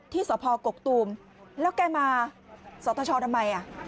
ที่สพกกตูมแล้วแกมาสตชทำไมอ่ะ